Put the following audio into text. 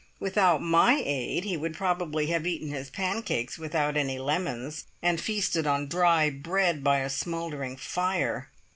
Without my aid he would probably have eaten his pancakes without any lemons, and feasted on dry bread by a smouldering fire.